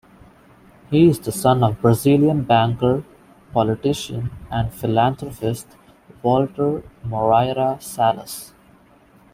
He is the son of Brazilian banker, politician and philanthropist Walter Moreira Salles.